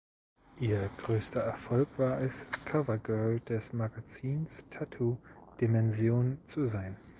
Ihr größter Erfolg war es Covergirl des Magazins "Tattoo Dimension" zu sein.